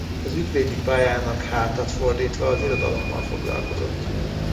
Az ügyvédi pályának hátat fordítva az irodalommal foglalkozott.